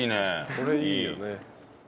これいいよね。